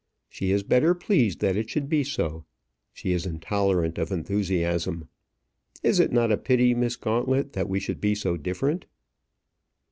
She is better pleased that it should be so. She is intolerant of enthusiasm. Is it not a pity, Miss Gauntlet, that we should be so different?"